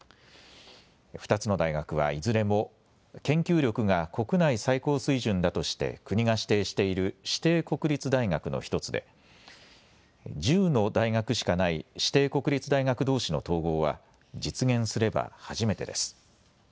２つの大学はいずれも研究力が国内最高水準だとして国が指定している指定国立大学の１つで１０の大学しかない指定国立大学どうしの統合は実現すれば初めてです。